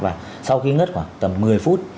và sau khi ngất khoảng tầm một mươi phút